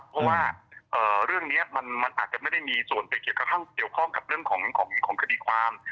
เพราะว่าเรื่องนี้มันอาจจะไม่ได้มีส่วนไปเกี่ยวข้องกับเรื่องของคดีความ